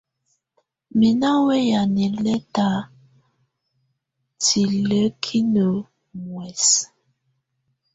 Mɛ̀ nà wɛ̂ya nɛlɛtɛ̀ tilǝ́kinǝ́ muɛsǝ.